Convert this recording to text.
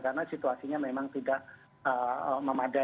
karena situasinya memang tidak memungkinkan